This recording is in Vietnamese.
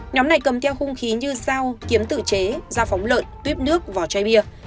nhóm này cầm theo hung khí như dao kiếm tự chế ra phóng lợn tuyếp nước vỏ chai bia